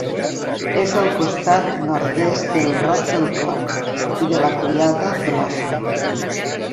És al costat nord-oest del Roc del Corb i de la Collada de l'Osca.